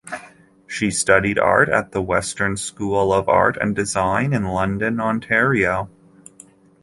She studied art at the Western School of Art and Design in London, Ontario.